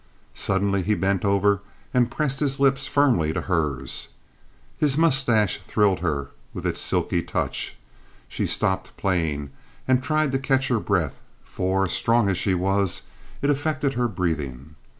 Suddenly he bent over and pressed his lips firmly to hers. His mustache thrilled her with its silky touch. She stopped playing and tried to catch her breath, for, strong as she was, it affected her breathing.